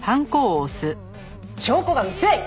証拠が薄い！